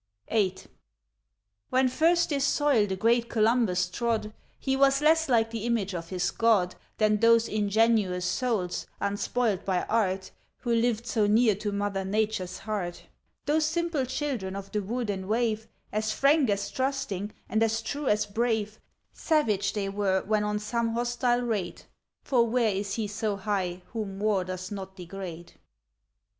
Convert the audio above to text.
VIII. When first this soil the great Columbus trod, He was less like the image of his God Than those ingenuous souls, unspoiled by art, Who lived so near to Mother Nature's heart; Those simple children of the wood and wave, As frank as trusting, and as true as brave; Savage they were, when on some hostile raid (For where is he so high, whom war does not degrade?)